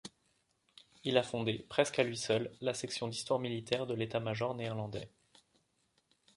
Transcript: Il a fondé presque à lui seul la section d'histoire militaire de l'état-major néerlandais.